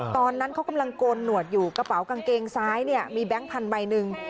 ตอนนั้นเขากำลังโกนหนวดอยู่กระเป๋ากางเกงซ้ายเนี่ยมีแบงค์พันธใบหนึ่ง